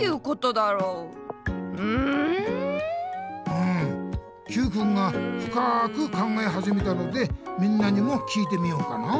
うんＱくんがふかく考えはじめたのでみんなにも聞いてみようかな。